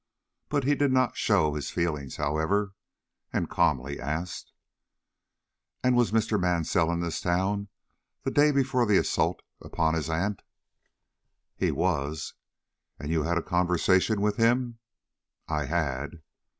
But he did not show his feelings, however, and calmly asked: "And was Mr. Mansell in this town the day before the assault upon his aunt?" "He was." "And you had a conversation with him?" "I had."